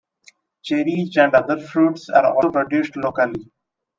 Cherries and other fruits are also produced locally.